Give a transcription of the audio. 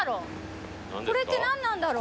これって何なんだろう？